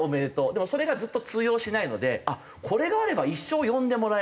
でもそれがずっと通用しないのでこれがあれば一生呼んでもらえる。